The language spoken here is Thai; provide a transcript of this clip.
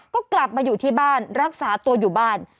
ก็กลับมาอยู่ที่บ้านรักษาตัวอยู่บ้าน